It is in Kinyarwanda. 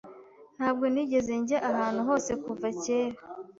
Ntabwo nigeze njya ahantu hose kuva kera.